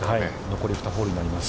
残り２ホールになります。